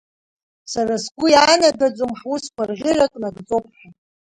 Сара сгәы иаанагаӡом ҳусқәа рӷьырак нагӡоуп ҳәа.